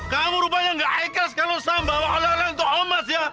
kamu rupanya gak ikas kalau sama bawa ala ala untuk emas ya